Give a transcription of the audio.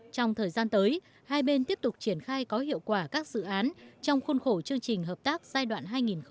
trong thời gian tới hai bên tiếp tục triển khai có hiệu quả các dự án trong khuôn khổ chương trình hợp tác giai đoạn hai nghìn một mươi sáu hai nghìn hai mươi